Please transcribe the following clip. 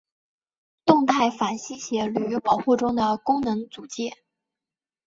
动态反吸血驴保护中的功能组件。